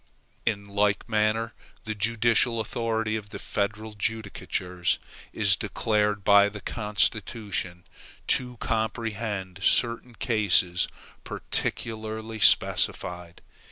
In like manner the judicial authority of the federal judicatures is declared by the Constitution to comprehend certain cases particularly specified.